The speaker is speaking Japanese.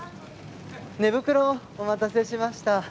寝袋お待たせしました。